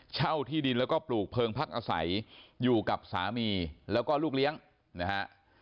เช่าที่ดินแล้วก็ปลูกเพลิงพักอาศัยอยู่กับสามีแล้วก็ลูกเลี้ยงนะฮะ